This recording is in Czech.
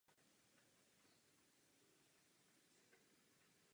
Sídlí v Berlíně.